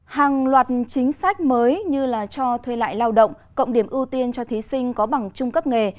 hàng loạt chính sách mới như là cho thuê lại lao động cộng điểm ưu tiên cho thí sinh có bằng trung cấp nghề